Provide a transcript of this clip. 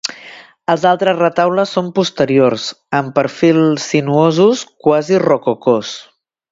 Els altres retaules són posteriors, amb perfils sinuosos quasi rococós.